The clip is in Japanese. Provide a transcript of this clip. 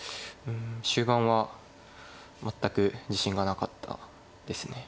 終盤は全く自信がなかったですね。